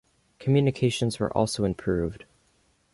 Communications were also improved.